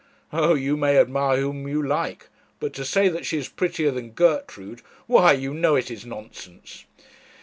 'Oh! you may admire whom you like; but to say that she is prettier than Gertrude why, you know, it is nonsense.'